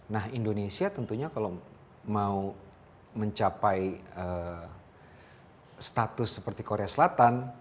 nah indonesia tentunya kalau mau mencapai status seperti korea selatan